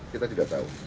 kita tidak tahu